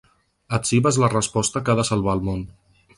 Etzibes la resposta que ha de salvar el món.